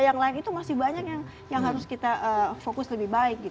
yang lain itu masih banyak yang harus kita fokus lebih baik